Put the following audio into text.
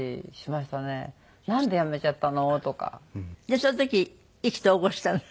その時意気投合したの？